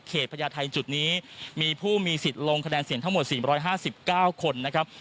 พญาไทยจุดนี้มีผู้มีสิทธิ์ลงคะแนนเสียงทั้งหมด๔๕๙คนนะครับ